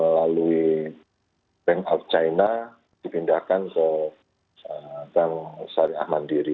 dari bank of china dipindahkan ke bank sariah mandiri